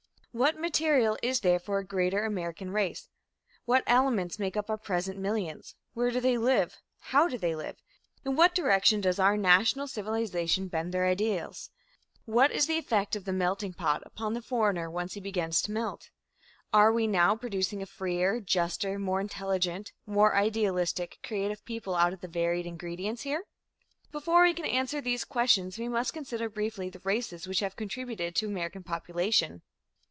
What material is there for a greater American race? What elements make up our present millions? Where do they live? How do they live? In what direction does our national civilization bend their ideals? What is the effect of the "melting pot" upon the foreigner, once he begins to "melt"? Are we now producing a freer, juster, more intelligent, more idealistic, creative people out of the varied ingredients here? Before we can answer these questions, we must consider briefly the races which have contributed to American population.